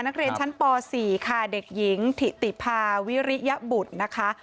นักเรียนชั้นป๔ค่ะเด็กหญิงถิติภาวิริยบุตรนะคะ